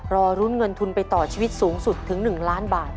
รอลุ้นเงินทุนไปต่อชีวิตสูงสุดถึง๑ล้านบาท